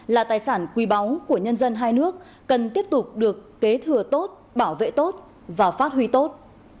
là tài sản quý báu của nhân dân hai nước cần tiếp tục được kế thừa tốt bảo vệ tốt và phát huy tốt